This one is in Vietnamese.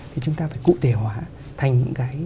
thì chúng ta phải cụ thể hóa thành những cái